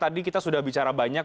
tadi kita sudah bicara banyak